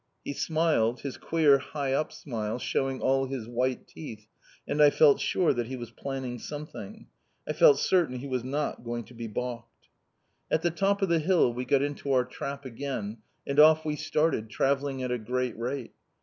He smiled, his queer high up smile, showing all his white teeth, and I felt sure that he was planning something, I felt certain he was not going to be baulked. At the top of the hill we got into our trap again, and off we started, travelling at a great rate.